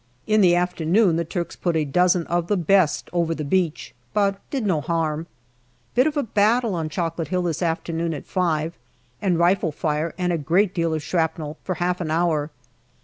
In the afternoon the Turks put a dozen of the best over the beach, but did no harm. Bit of a battle on Chocolate Hill this afternoon at five, and rifle fire, and a great deal of shrapnel, for half an hour.